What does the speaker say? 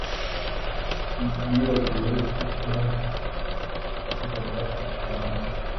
nibagiwe ko tom yavugaga igifaransa